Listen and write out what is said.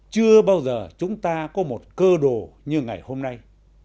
chưa bao giờ chúng ta có một cơ đồ như ngày hôm nay